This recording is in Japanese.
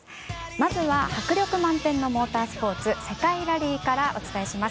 まずは迫力満点のモータースポーツ世界ラリーからお伝えします。